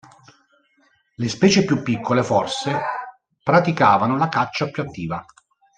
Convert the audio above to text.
Le specie più piccole forse praticavano la caccia più attiva.